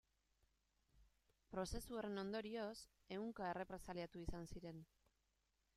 Prozesu horren ondorioz, ehunka errepresaliatu izan ziren.